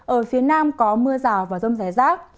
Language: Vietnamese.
ở phía nam có mưa rào và rông rải rác